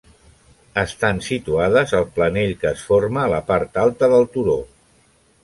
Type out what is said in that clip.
Estan situades al planell que es forma a la part alta del turó.